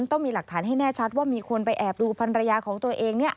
ต้องมีหลักฐานให้แน่ชัดว่ามีคนไปแอบดูพันรยาของตัวเอง